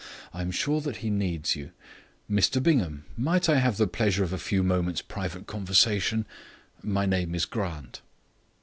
I am sure that he needs you. Mr Bingham, might I have the pleasure of a few moments' private conversation? My name is Grant."